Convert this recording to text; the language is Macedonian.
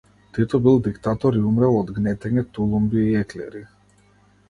Тито бил диктатор и умрел од гнетење тулумби и еклери.